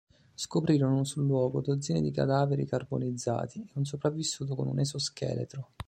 Scoprirono sul luogo dozzine di cadaveri carbonizzati, e un sopravvissuto con un esoscheletro.